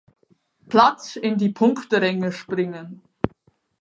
Platz in die Punkteränge springen.